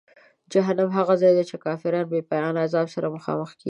جهنم هغه ځای دی چې کافران د بېپایانه عذاب سره مخامخ کیږي.